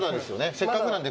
せっかくなんで。